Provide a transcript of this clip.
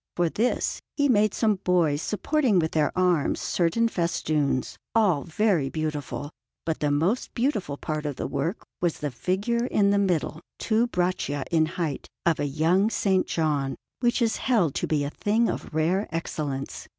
For this he made some boys supporting with their arms certain festoons, all very beautiful; but the most beautiful part of the work was the figure in the middle, two braccia in height, of a young S. John, which is held to be a thing of rare excellence.